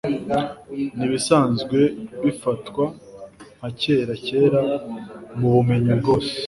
Nibisanzwe Bifatwa Nka Kera Kera Mubumenyi bwose